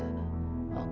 terima kasih pak